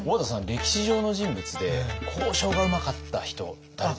歴史上の人物で交渉がうまかった人誰ですか？